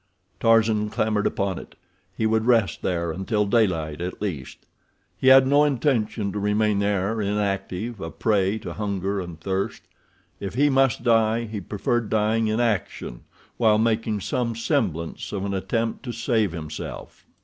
Tarzan clambered upon it—he would rest there until daylight at least. He had no intention to remain there inactive—a prey to hunger and thirst. If he must die he preferred dying in action while making some semblance of an attempt to save himself.